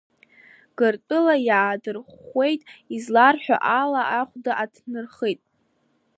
Гыртәыла иаадырхәеит, изларҳәо ала, ахә ду аҭнырхит.